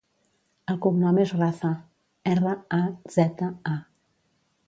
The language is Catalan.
El cognom és Raza: erra, a, zeta, a.